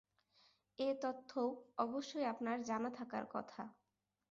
এ-তথ্যও অবশ্যই আপনার জানা থাকার কথা।